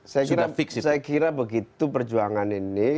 saya kira begitu perjuangan ini